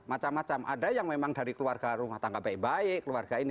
macam macam ada yang memang dari keluarga rumah tangga baik baik keluarga ini